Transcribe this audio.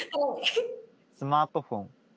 スマートフォン。